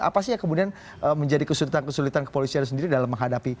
apa sih yang kemudian menjadi kesulitan kesulitan kepolisian sendiri dalam menghadapi